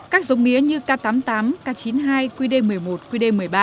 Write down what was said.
các giống mía như k tám mươi tám k chín mươi hai qd một mươi một qd một mươi ba